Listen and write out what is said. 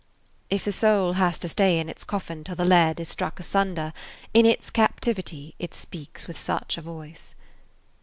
If the soul has to stay in its coffin till the lead is struck asunder, in its captivity it speaks with such a voice.